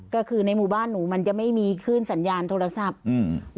ก็คือในหมู่บ้านหนูมันจะไม่มีขึ้นสัญญาณโทรศัพท์อืม